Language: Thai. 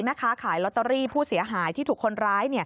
แม่ค้าขายลอตเตอรี่ผู้เสียหายที่ถูกคนร้าย